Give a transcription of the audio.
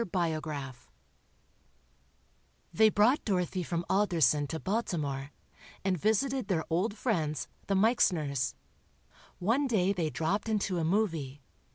BIOGRAPH" They brought Dorothy from Alderson to Baltimore, and visited their old friends, the Meixners. One day they dropped into a "movie."